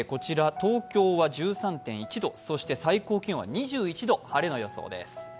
東京は１３．１度、最高気温は２１度、晴れの予想です。